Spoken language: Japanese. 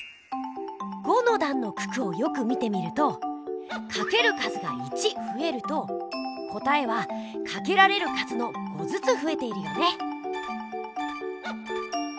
５のだんの九九をよく見てみるとかける数が１ふえると答えはかけられる数の５ずつふえているよね！